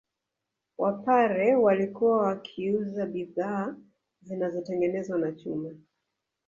Wapare walikuwa wakiuza bidhaa zinazotengenezwa na chuma